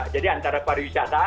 jadi antara pariwisata